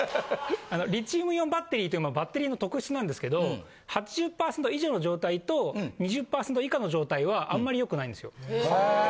リチウムイオンバッテリーというバッテリーの特質なんですけど、８０％以上の状態と、２０％以下の状態はあんまりよくないんですよ。